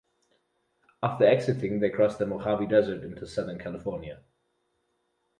After exiting they crossed the Mojave Desert into Southern California.